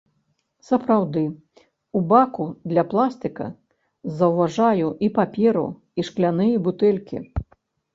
Сапраўды, у баку для пластыка заўважаю і паперу, і шкляныя бутэлькі.